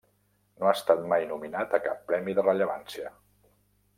No ha estat mai nominat a cap premi de rellevància.